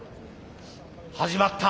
始まった！